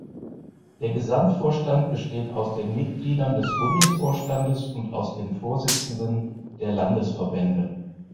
Der Gesamtvorstand besteht aus den Mitgliedern des Bundesvorstandes und aus den Vorsitzenden der Landesverbände.